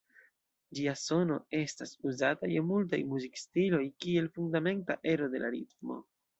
Ĝia sono estas uzata je multaj muzikstiloj kiel fundamenta ero de la ritmo.